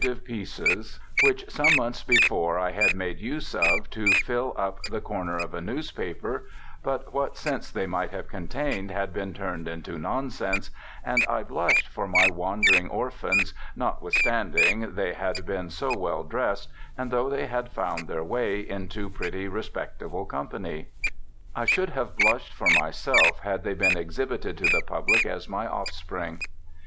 ELISHA BARTLETT 143 pieces which some months before I had made use of to fill up the corner of a newspaper, but what sense they might have contained had been turned into nonsense, and I blushed for my wandering orphans, notwith standing they had been so well dressed, and though they had found their way into pretty respectable com pany. I should have blushed for myself had they been exhibited to the public as my offspring.'